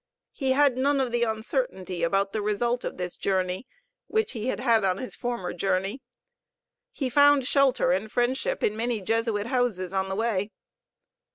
He had none of the uncertainty about the result of this journey which he had had about his former journey. He found shelter and friendship in many Jesuit houses on the way.